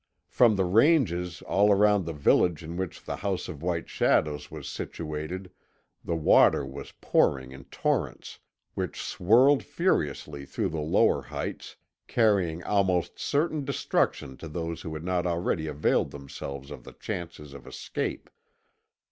From the ranges all around the village in which the House of White Shadows was situated the water was pouring in torrents, which swirled furiously through the lower heights, carrying almost certain destruction to those who had not already availed themselves of the chances of escape.